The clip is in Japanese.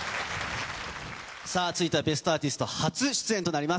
さぁ、続いては『ベストアーティスト』初出演となります。